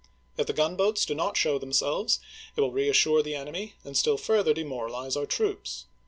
If the gunboats do not show themselves, it will reassure the enemy and still further demoralize our troops.